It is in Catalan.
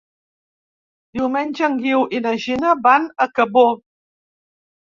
Diumenge en Guiu i na Gina van a Cabó.